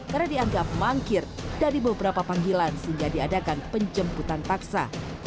karena dianggap mangkir dari beberapa panggilan sehingga diadakan penjemputan paksa